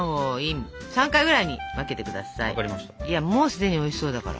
いやもう既においしそうだから。